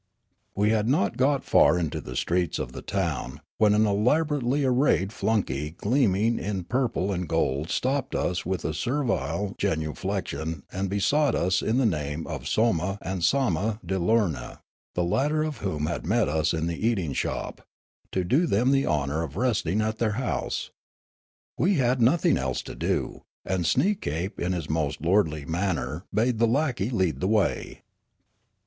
We had not got far into the streets of the town, when an elaborately arra)'ed flunke}' gleaming in pur ple and gold stopped us with a servile genuflection and besought us in the name of Soma and Sama Deloorna, the latter of whom had met us in the eating shop, to do them the honour of resting at their house. We had nothing else to do, and Sneekape in his most lordly manner bade the lackey lead the way.